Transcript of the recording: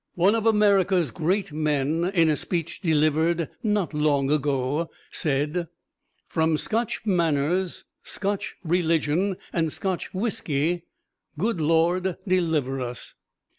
One of America's great men, in a speech delivered not long ago, said, "From Scotch manners, Scotch religion and Scotch whisky, good Lord deliver us!"